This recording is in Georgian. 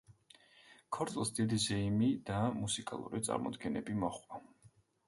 ქორწილს დიდი ზეიმი და მუსიკალური წარმოდგენები მოჰყვა.